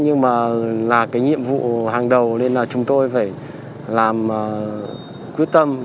nhưng mà là cái nhiệm vụ hàng đầu nên là chúng tôi phải làm quyết tâm